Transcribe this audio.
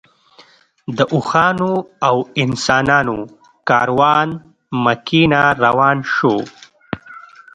د اوښانو او انسانانو کاروان مکې نه روان شو.